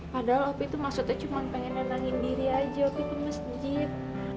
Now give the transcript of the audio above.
padahal opi tuh maksudnya cuma pengen nandangin diri aja opi ke masjid